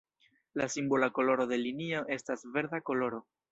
La simbola koloro de linio estas verda koloro.